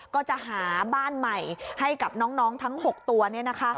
ก็จะหาบ้านใหม่ให้กับน้องทั้ง๖ตัวเนี่ยนะคะ